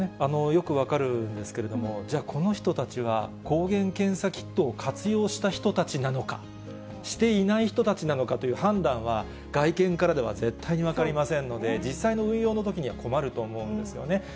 よく分かるんですけども、じゃあ、この人たちは、抗原検査キットを活用した人たちなのか、していない人たちなのかという判断は、外見からでは絶対に分かりませんので、実際の運用のときには困ると思うんですよね。